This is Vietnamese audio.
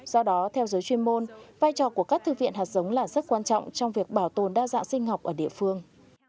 do đó theo giới chuyên môn vai trò của các thư viện hạt giống là rất quan trọng trong việc bảo tồn đa dạng sinh học ở địa phương